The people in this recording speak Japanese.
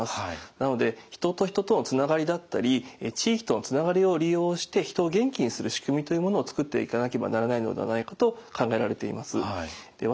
なので人と人とのつながりだったり地域とのつながりを利用して人を元気にする仕組みというものを作っていかなければならないのではないかと考えられています。